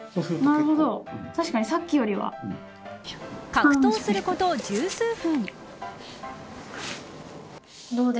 格闘すること十数分。